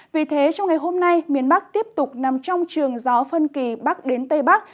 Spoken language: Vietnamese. vì thế trong ngày hôm nay miền bắc tiếp tục nằm trong trường gió phân kỳ bắc đến tây bắc